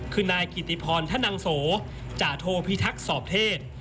คือนายกิติพรธนังโสจาโทพิทักษอบเทศ